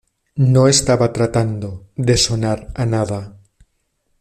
No estaba tratando de sonar a nada.